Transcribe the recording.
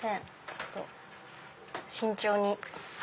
ちょっと慎重に。